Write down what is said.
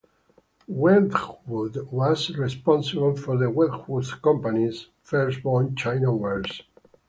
Wedgwood was responsible for the Wedgwood Company's first bone china wares.